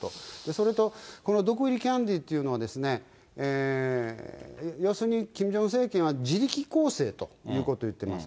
それと毒入りキャンディーというのはですね、要するにキム・ジョンウン政権は自力更生ということを言ってます。